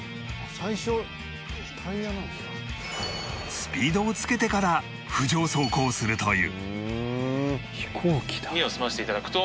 スピードをつけてから浮上走行するという